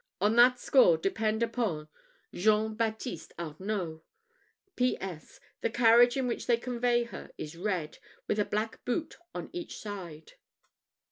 On that score depend upon "JEAN BAPTISTE ARNAULT. "P.S. The carriage in which they convey her is red, with a black boot on each side."